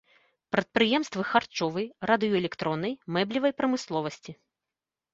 Прадпрыемствы харчовай, радыёэлектроннай, мэблевай прамысловасці.